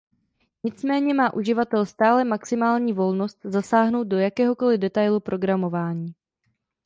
Nicméně má uživatel stále maximální volnost zasáhnout do jakéhokoli detailu programování.